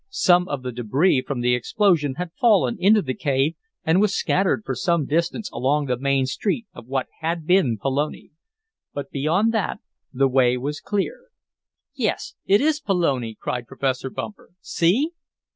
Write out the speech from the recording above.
Some of the debris from the explosion had fallen into the cave, and was scattered for some distance along the main street of what had been Pelone. But beyond that the way was clear. "Yes, it is Pelone," cried Professor Bumper. "See!"